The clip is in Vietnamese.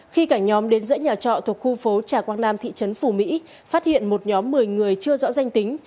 khi cả nhóm đến giữa nhà trọ thuộc khu phố trà quang nam thị trấn phù mỹ phát hiện một nhóm một mươi người chưa rõ danh tính